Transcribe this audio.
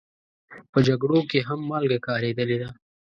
په جګړو کې هم مالګه کارېدلې ده.